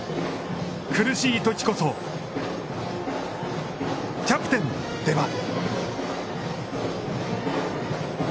苦しいときこそ、キャプテンの出番！